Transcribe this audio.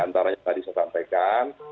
antara yang tadi saya sampaikan